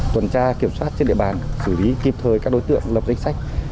tuần tra kiểm soát trên địa bàn xử lý kịp thời các đối tượng lập danh sách